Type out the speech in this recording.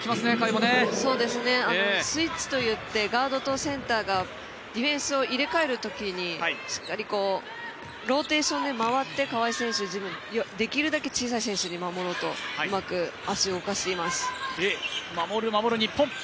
スイーツといってガードとセンターがディフェンスを入れ替えるときに、しっかり、ローテーションで回って川井選手、できるだけ小さい選手を守ろうとうまく足を動かしています。